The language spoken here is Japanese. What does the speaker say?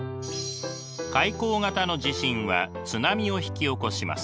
海溝型の地震は津波を引き起こします。